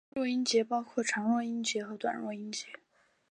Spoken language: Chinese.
弱音节包括长弱音节和短弱音节。